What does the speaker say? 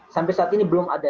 sampai saat ini belum ada